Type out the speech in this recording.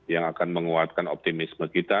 yang akan menguatkan optimisme kita